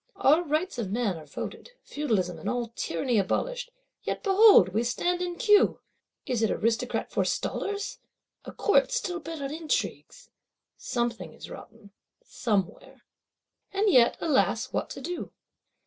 Our Rights of Man are voted, Feudalism and all Tyranny abolished; yet behold we stand in queue! Is it Aristocrat forestallers; a Court still bent on intrigues? Something is rotten, somewhere. And yet, alas, what to do?